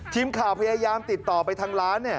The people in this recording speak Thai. ทีมข่าวพยายามติดต่อไปทางร้าน